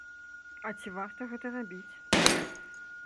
А ці варта гэта рабіць?